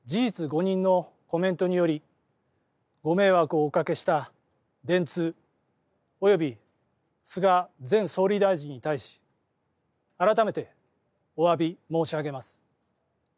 誤認のコメントによりご迷惑をおかけした電通及び菅前総理大臣に対し改めておわび申し上げます。